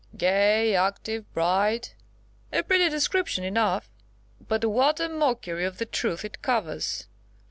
"Gay, active, bright! a pretty description enough; but what a mockery of the truth it covers!